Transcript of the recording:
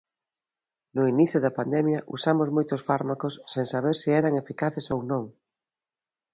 No inicio da pandemia usamos moitos fármacos sen saber se eran eficaces ou non.